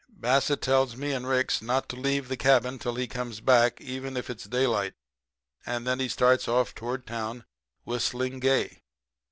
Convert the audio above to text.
"Bassett tells me and Ricks not to leave the cabin till he comes back, even if it's daylight, and then he starts off toward town, whistling gay.